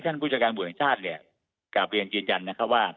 ท่านผู้จัดการบุญชาติเนี่ยกลับเรียนเย็นยันต์นะครับว่า